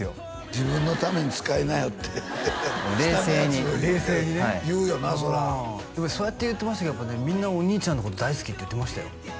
自分のために使いなよって冷静に下のやつ言うよなそらでもそうやって言ってましたけどみんなお兄ちゃんのこと大好きって言ってましたよ